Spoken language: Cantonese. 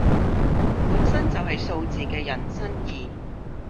本身就係數字嘅引申義